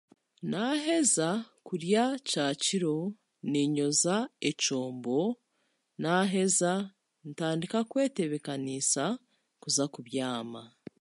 Naaheeza kuryakiro niinyoja ekyombo naaheza ntandika kwetebekaniisa kuza kubyama